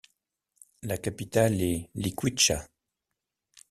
La capitale est Liquiçá.